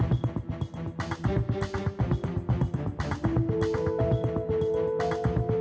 aku gak pernah menyerah